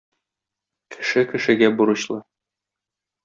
Кеше кешегә бурычлы.